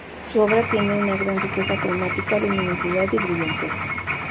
Su obra tiene una gran riqueza cromática, luminosidad y brillantez.